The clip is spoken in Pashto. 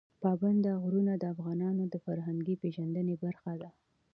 پابندی غرونه د افغانانو د فرهنګي پیژندنې برخه ده.